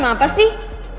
cuman apa sih